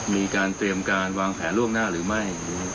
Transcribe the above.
มีการเตรียมการวางแผนล่วงหน้าหรือไม่